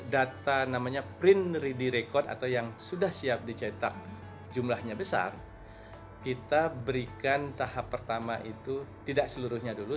data namanya print ready record atau yang sudah siap dicetak jumlahnya besar kita berikan tahap pertama itu tidak seluruhnya dulu